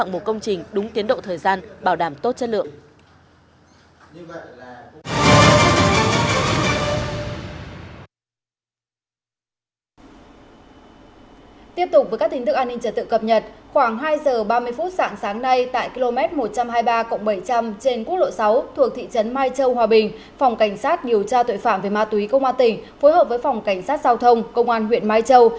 phối hợp với phòng cảnh sát giao thông công an huyện mai châu